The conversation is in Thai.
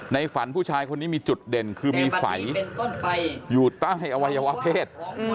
ฝันผู้ชายคนนี้มีจุดเด่นคือมีไฝอยู่ใต้อวัยวะเพศ